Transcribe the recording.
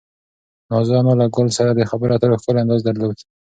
نازو انا له ګل سره د خبرو اترو ښکلی انداز درلود.